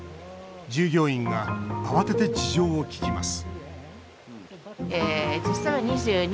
従業員が慌てて事情を聞きます